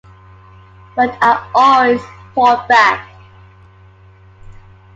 But I always fought back.